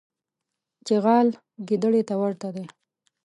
چغال ګیدړي ته ورته دی.